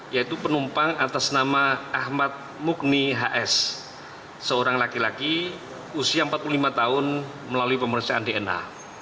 yaitu penumpang atas nama ahmad mugni hs seorang laki laki usia empat puluh lima tahun melalui pemeriksaan dna